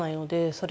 それ。